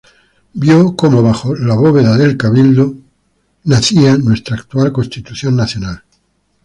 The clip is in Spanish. Vio como bajo la bóveda del Cabildo nacía nuestra actual Constitución Nacional.